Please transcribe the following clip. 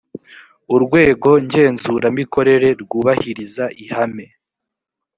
urwego ngenzuramikorere rwubahiriza ihame